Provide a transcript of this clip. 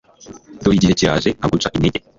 dore igihe kiraje nkaguca intege